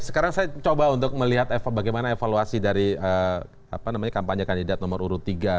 sekarang saya coba untuk melihat bagaimana evaluasi dari kampanye kandidat nomor urut tiga